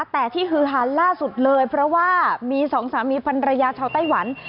แต่ที่ฮือฮานล่าสุดเลยเพราะว่ามีสองสามีพันรยาชาวไต้หวัน